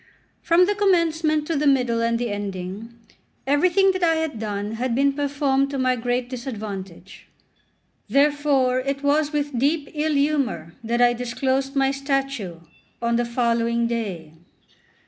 From the commencement to the middle and the ending, everything that I had done had been performed to my great disadvantage. Therefore, it was with deep ill humour that I disclosed my statue on the following day.